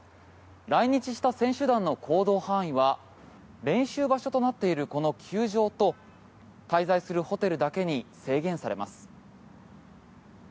来日した選手団の行動範囲は練習場所となっているこの球場と滞在するホテルだけに制限されます。